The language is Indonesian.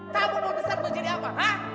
kamu mau besar mau jadi apa